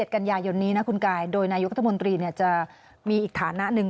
กันยายนนี้นะคุณกายโดยนายกรัฐมนตรีจะมีอีกฐานะหนึ่ง